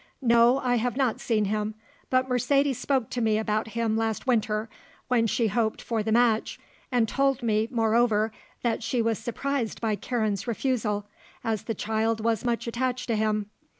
"No; I have not seen him; but Mercedes spoke to me about him last winter, when she hoped for the match, and told me, moreover, that she was surprised by Karen's refusal, as the child was much attached to him.